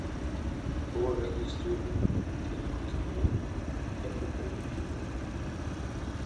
En "Power Rangers Turbo", se le concedió el papel de Red Turbo Ranger.